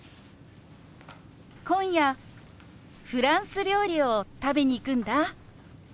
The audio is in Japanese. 今夜フランス料理を食べに行くんだ。